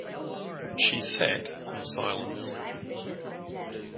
She sat in silence.